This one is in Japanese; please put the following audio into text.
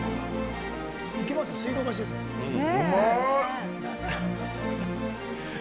行けますよ、水道橋ですもん。